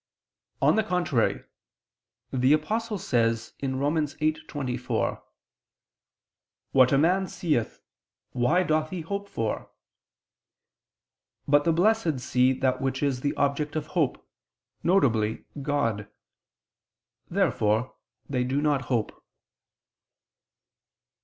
On the contrary, The Apostle says (Rom. 8:24): "What a man seeth, why doth he hope for?" But the Blessed see that which is the object of hope, viz. God. Therefore they do not hope.